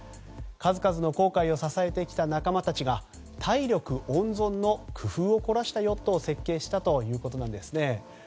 数々の航海を支えてきた仲間たちが体力温存の工夫を凝らしたヨットを設計したということなんですね。